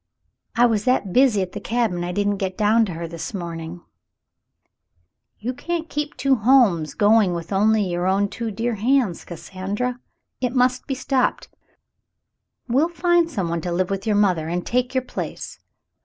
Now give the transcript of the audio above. I was that busy at the cabin I didn't get down to her this morning." The Summer Passes 201 "You can't keep two homes going with only your own two dear hands, Cassandra. It must be stopped. We'll find some one to live with your mother and take your place."